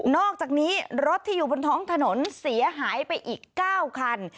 อกจากนี้รถที่อยู่บนท้องถนนเสียหายไปอีก๙คัน